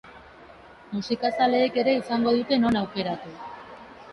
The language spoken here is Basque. Musikazaleek ere izango dute non aukeratu.